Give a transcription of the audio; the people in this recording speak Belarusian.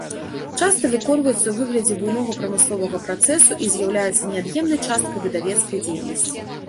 Часта выконваецца ў выглядзе буйнога прамысловага працэсу і з'яўляецца неад'емнай часткай выдавецкай дзейнасці.